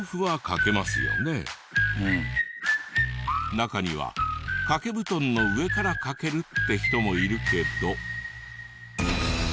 中には掛け布団の上からかけるって人もいるけど。